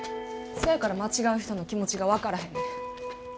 そやから間違う人の気持ちが分からへんねん。